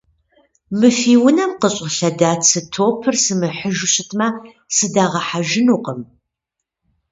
Мы фи унэм къыщӀэлъэда цы топыр сымыхьыжу щытмэ, сыдагъэхьэжынукъым.